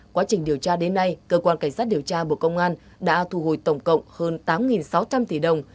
quá trình điều tra đến nay cơ quan cảnh sát điều tra bộ công an đã thu hồi tổng cộng hơn tám sáu trăm linh tỷ đồng